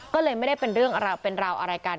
ก็เลยไม่ได้เป็นเรื่องเป็นราวอะไรกัน